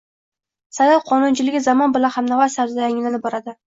Saylov qonunchiligi zamon bilan hamnafas tarzda yangilanib boradi